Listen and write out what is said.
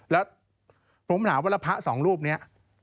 แล้วผมถามว่าแล้วพระสองรูปนี้